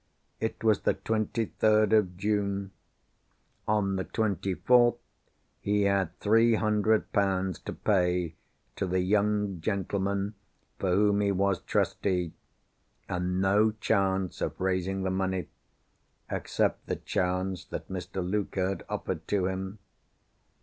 It was the twenty third of June. On the twenty fourth he had three hundred pounds to pay to the young gentleman for whom he was trustee, and no chance of raising the money, except the chance that Mr. Luker had offered to him.